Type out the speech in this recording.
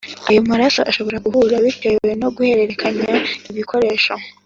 ayo maraso ashobora guhura bitewe no guhererekanya ibikoresho